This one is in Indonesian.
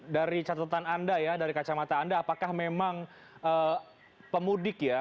dari catatan anda ya dari kacamata anda apakah memang pemudik ya